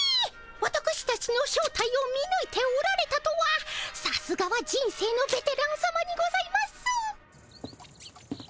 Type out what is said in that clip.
わたくしたちの正体を見ぬいておられたとはさすがは人生のベテランさまにございます。